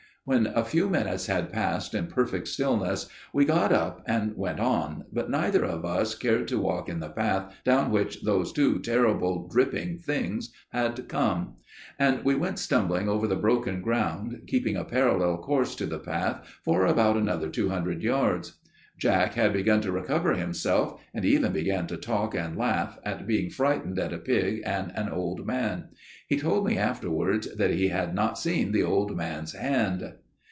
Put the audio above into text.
"When a few minutes had passed in perfect stillness, we got up and went on, but neither of us cared to walk in the path down which those two terrible dripping things had come; and we went stumbling over the broken ground, keeping a parallel course to the path for about another two hundred yards. Jack had begun to recover himself, and even began to talk and laugh at being frightened at a pig and an old man. He told me afterwards that he had not seen the old man's hand.